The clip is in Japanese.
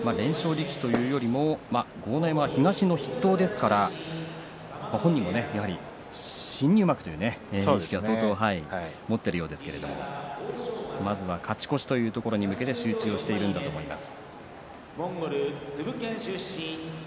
力士というよりも豪ノ山は東の筆頭ですから本人も新入幕という意識を相当持っているようですけどまずは勝ち越しというところに向けて集中しているんだと思います。